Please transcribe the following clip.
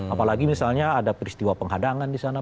apalagi misalnya ada peristiwa penghadangan disana